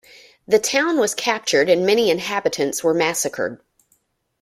The town was captured and many inhabitants were massacred.